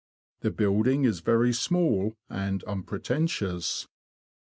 The building is very small and unpretentious.